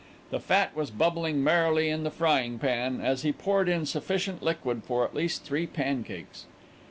The fat was bubbling merrily in the frying pan as he poured in sufficient liquid for at least three pancakes.